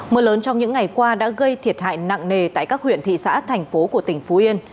mưa lớn trong những ngày qua đã gây thiệt hại nặng nề tại các huyện thị xã thành phố của tỉnh phú yên